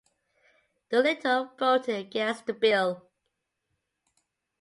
Doolittle voted against the bill.